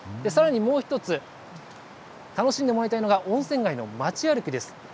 さらにもう１つ、楽しんでもらいたいのが、温泉街の街歩きです。